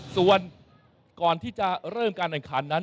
ส่วนก่อนที่จะเริ่มการแข่งขันนั้น